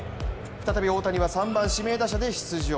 再び大谷は３番・指名打者で出場。